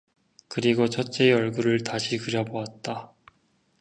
그리고 첫째의 얼굴을 다시 그려 보았다.